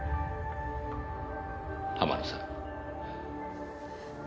浜野さん。